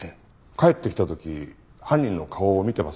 帰ってきた時犯人の顔を見てますよね？